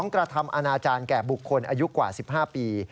กระทำอนาจารย์แก่บุคคลอายุกว่า๑๕ปี